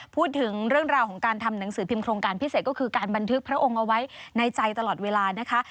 พูดถึงเรื่องราวของการทำหนังสือพิมโครงการพิเศษก็คือการบันทึกพระองค์เอาไว้ในใจตลอดเวลานะคะ